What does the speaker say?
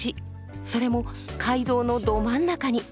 それも街道のど真ん中に。